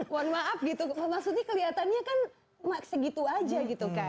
mohon maaf gitu maksudnya kelihatannya kan segitu aja gitu kan